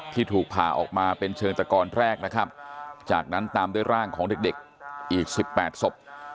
ที่ถูกผ่าออกมาเป็นเชิงตะกอนแรกนะครับจากนั้นตามด้วยร่างของเด็กอีก๑๘ศพ